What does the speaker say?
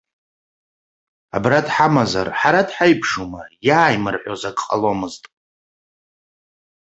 Абра дҳамазар, ҳара дҳаиԥшума, иааиимырҳәоз ак ҟаломызт.